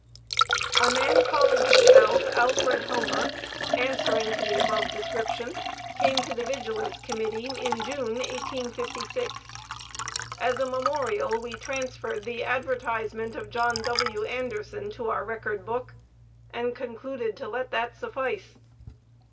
A man calling himself Alfred Homer, answering to the above description, came to the Vigilance Committee in June, 1856. As a memorial we transferred the advertisement of John W. Anderson to our record book, and concluded to let that suffice.